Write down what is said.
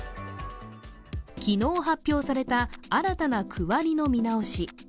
昨日発表された新たな区割りの見直し。